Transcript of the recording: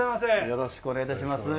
よろしくお願いします。